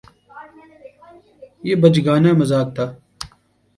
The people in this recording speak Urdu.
یہ بچگانہ مذاق تھا